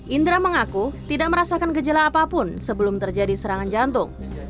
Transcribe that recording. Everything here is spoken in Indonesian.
indra mengaku tidak merasakan gejala apapun sebelum terjadi serangan jantung